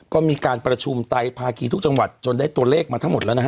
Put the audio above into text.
ก็มีการประชุมไตภาคีทุกจังหวัดจนได้ตัวเลขมาทั้งหมดแล้วนะฮะ